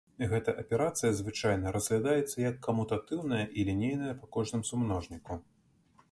Гэта аперацыя звычайна разглядаецца як камутатыўная і лінейная па кожным сумножніку.